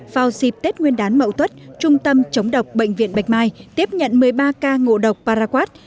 vào dịp tết nguyên đán mậu tuất trung tâm chống độc bệnh viện bạch mai tiếp nhận một mươi ba ca ngộ độc paraquat